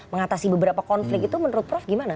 mengatasi beberapa konflik itu menurut prof gimana